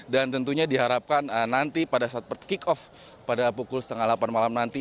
dan tentunya diharapkan nanti pada saat per kick off pada pukul setengah delapan malam nanti